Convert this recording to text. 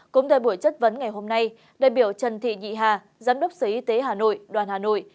cũng tại buổi chất vấn ngày hôm nay đại biểu trần thị nhị hà giám đốc sở y tế hà nội đoàn hà nội